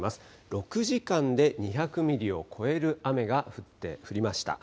６時間で２００ミリを超える雨が降りました。